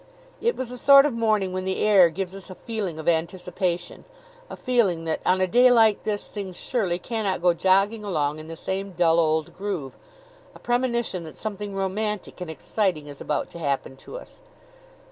It was the sort of morning when the air gives us a feeling of anticipation a feeling that, on a day like this, things surely cannot go jogging along in the same dull old groove; a premonition that something romantic and exciting is about to happen to us.